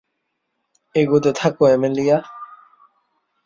এগোতে থাকো, অ্যামেলিয়া।